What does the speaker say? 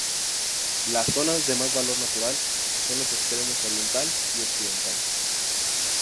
Las zonas de más valor natural son los extremos oriental y occidental.